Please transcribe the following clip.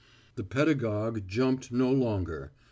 The pedagogue jumped no longer.